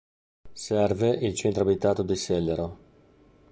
Serve il centro abitato di Sellero.